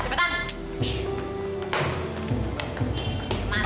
lo udah mending orang